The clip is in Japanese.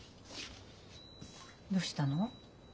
どうしたの？